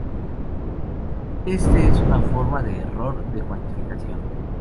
Este es una forma de error de cuantificación.